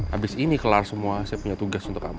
habis ini kelar semua saya punya tugas untuk kamu